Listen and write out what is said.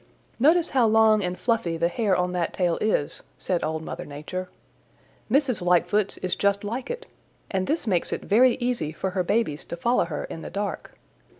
"Notice how long and fluffy the hair on that tail is," said Old Mother Nature. "Mrs. Lightfoot's is just like it, and this makes it very easy for her babies to follow her in the dark.